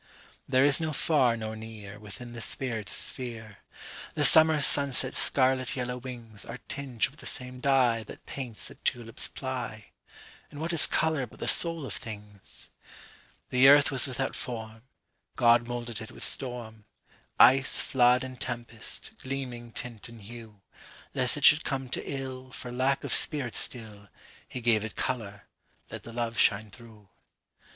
There is no far nor nearWithin the spirit's sphere. The summer sunset's scarlet yellow wingsAre tinged with the same dyeThat paints the tulip's ply. And what is colour but the soul of things?(The earth was without form; God moulded it with storm, Ice, flood, and tempest, gleaming tint and hue; Lest it should come to illFor lack of spirit still, He gave it colour,—let the love shine through.)